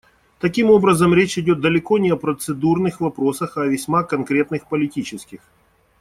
Таким образом, речь идет далеко не о процедурных вопросах, а о весьма конкретных политических.